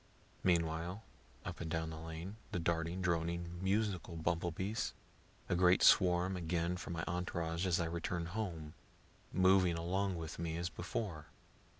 Meanwhile, up and down the lane, the darting, droning, musical bumble bees. A great swarm again for my entourage as I return home, moving along with me as before.